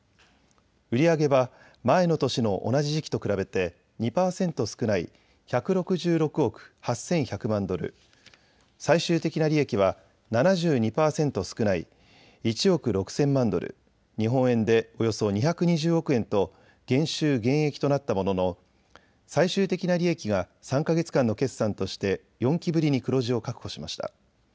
売り上げは前の年の同じ時期と比べて２％少ない１６６億８１００万ドル、最終的な利益は７２％少ない１億６０００万ドル、日本円でおよそ２２０億円と減収減益となったものの最終的な利益が３か月間の決算として４期ぶりに黒字を確保しました。